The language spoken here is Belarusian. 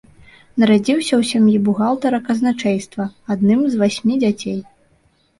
Нарадзіўся ў сям'і бухгалтара казначэйства, адным з васьмі дзяцей.